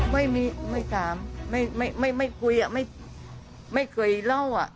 ไม่ไม่ถามไม่คุยไม่เคยเล่าอ่ะ